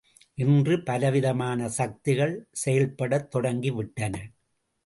இன்று பலவிதமான சக்திகள் செயல்படத் தொடங்கிவிட்டன.